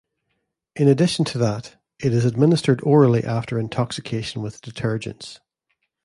In addition to that, it is administered orally after intoxication with detergents.